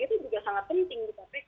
itu juga sangat penting di kpk